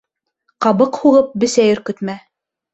Ҡабыҡ һуғып бесәй өркөтмә.